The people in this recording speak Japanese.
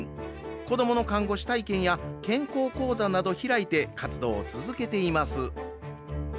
子どもの看護師体験や健康講座など開いて活動を続けています。